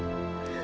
ini sudah berubah